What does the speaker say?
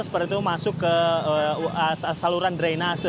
seperti itu masuk ke saluran drainase